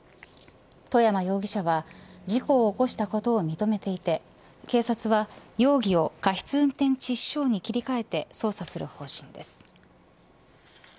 外山容疑者は事故を起こしたことを認めていて警察は容疑を過失運転致死傷に切り替えて捜査する方針です。